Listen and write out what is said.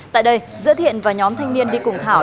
tại đây giữa thiện và nhóm thanh niên đi cùng thảo